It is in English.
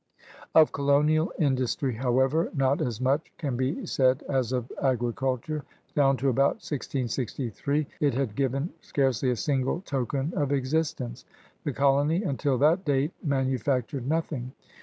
Of colonial industry, however, not as much can be said as of agriculture. Down to about 1663 it had given scarcely a single token of existence. The colony, until that date, manufactured nothing.